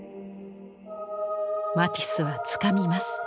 マティスはつかみます。